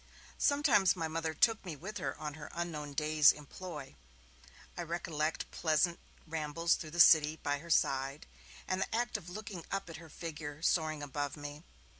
Sometimes my Mother took me with her on her 'unknown day's employ'; I recollect pleasant rambles through the City by her side, and the act of looking up at her figure soaring above me.